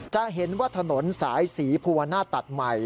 จะเห็นว่าถนนสายศรีภูวนาศตัดใหม่